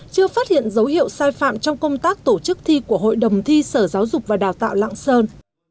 chưa phát hiện dấu hiệu sai phạm trong công tác tổ chức thi của hội đồng thi sở giáo dục và đào tạo lạng sơn